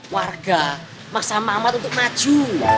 warga masa mamat untuk maju